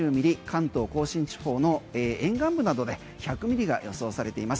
関東甲信地方の沿岸部などで１００ミリが予想されています。